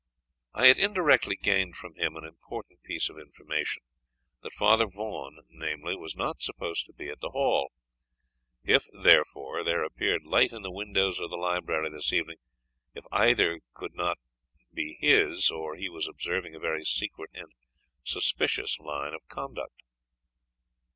I had indirectly gained from him an important piece of information, that Father Vaughan, namely, was not supposed to be at the Hall. If, therefore, there appeared light in the windows of the library this evening, it either could not be his, or he was observing a very secret and suspicious line of conduct.